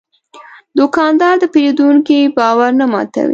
دوکاندار د پېرودونکي باور نه ماتوي.